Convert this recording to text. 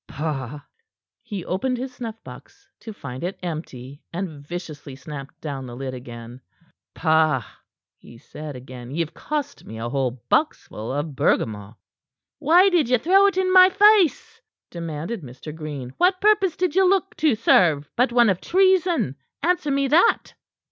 Pah!" He opened his snuff box to find it empty, and viciously snapped down the lid again. "Pah!" he said again, "ye've cost me a whole boxfull of Burgamot." "Why did ye throw it in my face?" demanded Mr. Green. "What purpose did ye look to serve but one of treason? Answer me that!"